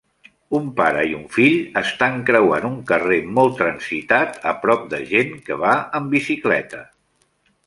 Un pare i un fill estan creuant un carrer molt transitat, a prop de gent que va amb bicicleta.